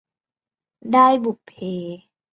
ด้ายบุพเพ